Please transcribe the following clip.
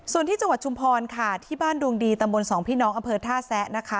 ส่วนที่จังหวัดชุมพรค่ะที่บ้านดวงดีตำบลสองพี่น้องอำเภอท่าแซะนะคะ